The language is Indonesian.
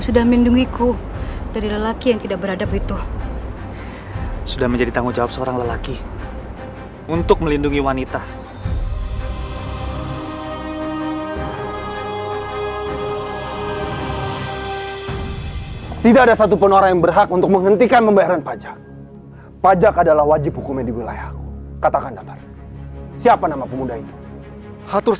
sepertinya kamu menjadi incaran dari lurah damar